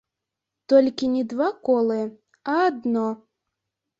Толькі не два колы, а адно.